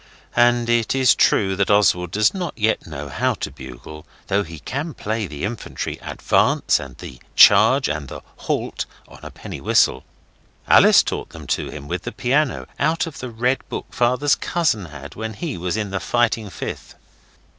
And it is true that Oswald does not yet know how to bugle, though he can play the infantry 'advance', and the 'charge' and the 'halt' on a penny whistle. Alice taught them to him with the piano, out of the red book Father's cousin had when he was in the Fighting Fifth.